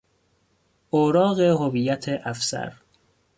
اوراق هویت افسر